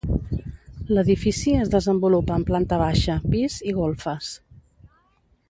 L'edifici es desenvolupa en planta baixa, pis i golfes.